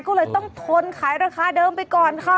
ก็เลยต้องทนขายราคาเดิมไปก่อนค่ะ